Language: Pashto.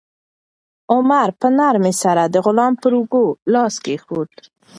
عمر په نرمۍ سره د غلام پر اوږه لاس کېښود.